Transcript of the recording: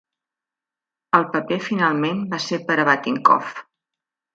El paper finalment va ser per a Batinkoff.